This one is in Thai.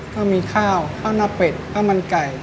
ก็มีข้าวข้าวหน้าเป็ดข้าวมันไก่